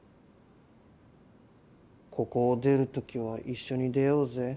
ここを出るときは一緒に出ようぜ。